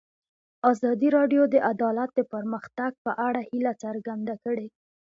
ازادي راډیو د عدالت د پرمختګ په اړه هیله څرګنده کړې.